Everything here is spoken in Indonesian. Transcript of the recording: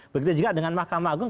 begitu juga dengan mahkamah agung